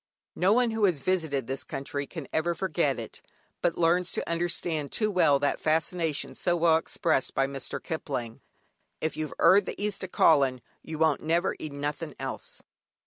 No one who has visited this country can ever forget it, but learns to understand too well that fascination so well expressed by Mr. Kipling: "If you've 'eard the East a' callin', you won't never 'eed nought else."